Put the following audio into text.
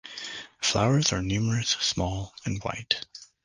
Flowers are numerous, small, and white.